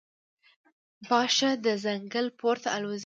باښه د ځنګل پورته الوزي.